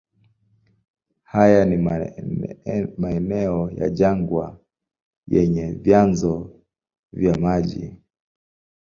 Haya ni maeneo ya jangwa yenye vyanzo vya maji.